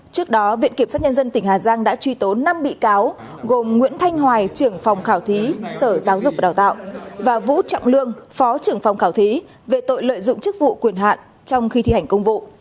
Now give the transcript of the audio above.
trước đó viện kiểm sát nhân dân tỉnh hà giang đã truy tố năm bị cáo gồm nguyễn thanh hoài trưởng phòng khảo thí sở giáo dục và đào tạo và vũ trọng lương phó trưởng phòng khảo thí về tội lợi dụng chức vụ quyền hạn trong khi thi hành công vụ